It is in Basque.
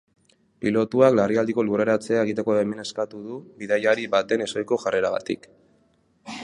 Pilotuak larrialdiko lurreratzea egiteko baimena eskatu du bidaiari baten ezohiko jarreragatik.